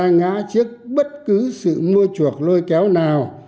không bị ngã trước bất cứ sự mua chuộc lôi kéo nào